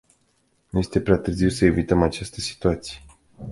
Nu este prea târziu să evităm această situație.